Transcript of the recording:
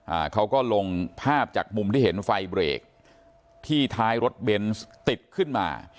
อ่าเขาก็ลงภาพจากมุมที่เห็นไฟเบรกที่ท้ายรถเบนส์ติดขึ้นมา